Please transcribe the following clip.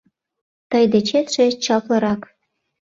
Тый дечетше чаплырак